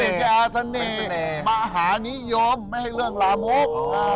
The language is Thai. เป็นแก่อาศัลนีมาหานิยมไม่ให้เรื่องลามุก